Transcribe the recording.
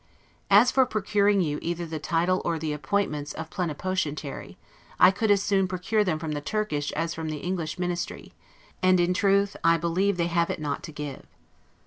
As for procuring you either the title or the appointments of Plenipotentiary, I could as soon procure them from the Turkish as from the English Ministry; and, in truth, I believe they have it not to give.